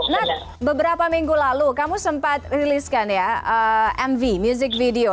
nah beberapa minggu lalu kamu sempat riliskan ya mv music video